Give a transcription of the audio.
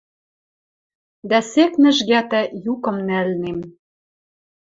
Дӓ сек нӹжгӓтӓ юкым нӓлнем